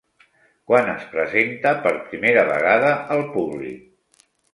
Quan es presenta per primera vegada al públic?